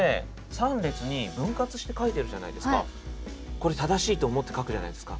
これ正しいと思って書くじゃないですか。